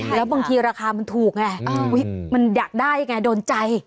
แล้วบางทีราคามันถูกไงมันอยากได้ไงโดนใจ